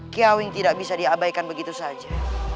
kiawing tidak bisa diabaikan begitu saja